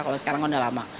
kalau sekarang udah lama